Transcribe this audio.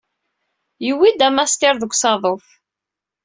Yuwey-d amastir deg usaḍuf.